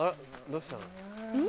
どうしたの？